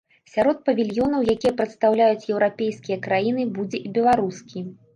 Сярод павільёнаў, якія прадстаўляюць еўрапейскія краіны, будзе і беларускі.